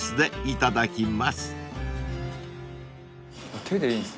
いただきます。